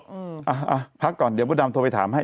อ่าพักก่อนเดี๋ยวผู้ดำโทรไปถามให้